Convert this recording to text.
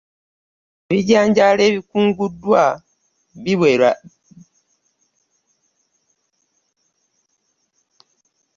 Ebijanjaalo ebikunguddwa biwera!